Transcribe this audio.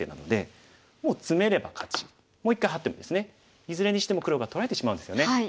いずれにしても黒が取られてしまうんですよね。